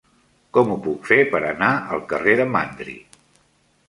Com ho puc fer per anar al carrer de Mandri?